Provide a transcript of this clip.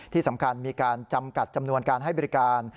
ที่สำคัญมีการจำกัดจำนวนการให้บริการ